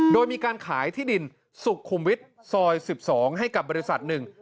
โดยมีการขายที่ดินสุขุมวิทย์ซอย๑๒ให้กับบริษัทหนึ่ง